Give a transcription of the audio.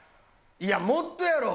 いや、もっとやろ。